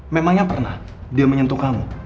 memangnya pernah dia menyentuh kamu